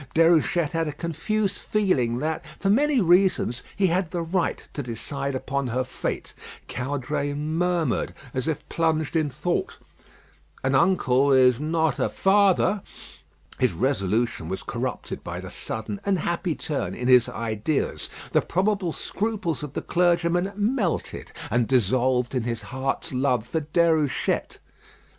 Déruchette had a confused feeling that, for many reasons, he had the right to decide upon her fate. Caudray murmured, as if plunged in thought, "An uncle is not a father." His resolution was corrupted by the sudden and happy turn in his ideas. The probable scruples of the clergyman melted, and dissolved in his heart's love for Déruchette.